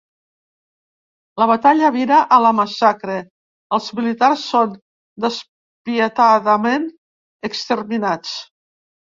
La batalla vira a la massacre: els militars són despietadament exterminats.